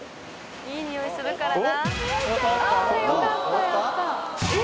いい匂いするからな。